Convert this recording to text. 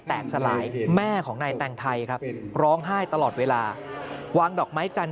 สลายแม่ของนายแตงไทยครับร้องไห้ตลอดเวลาวางดอกไม้จันท